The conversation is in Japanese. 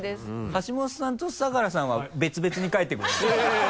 橋本さんと相樂さんは別々に帰ってくださいよ。